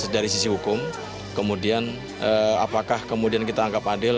dari sisi hukum kemudian apakah kemudian kita anggap adil